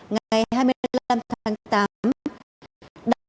ngày hai mươi năm tháng tám